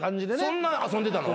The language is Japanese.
そんな遊んでたの？